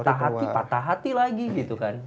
patah hati patah hati lagi gitu kan